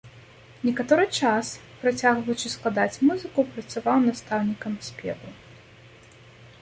Некаторы час, працягваючы складаць музыку, працаваў настаўнікам спеву.